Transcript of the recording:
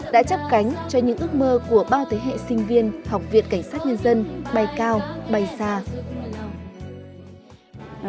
đã chấp cánh cho những ước mơ của bao thế hệ sinh viên học viện cảnh sát nhân dân bay cao bay xa